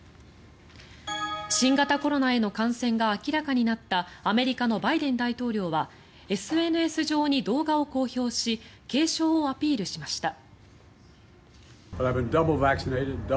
新型コロナへの感染が明らかになったアメリカのバイデン大統領はＳＮＳ上に動画を公表し軽症をアピールしました。